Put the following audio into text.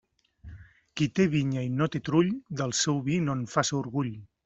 Qui té vinya i no té trull, del seu vi no en faça orgull.